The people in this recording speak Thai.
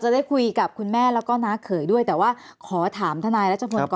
ได้คุยกับคุณแม่แล้วก็น้าเขยด้วยแต่ว่าขอถามทนายรัชพลก่อน